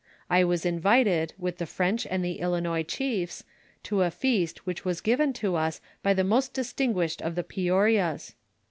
I was invited, with the French and the Ilinois chiefs, to a feast which was given to us by the most dis tinguished of the Peouarias.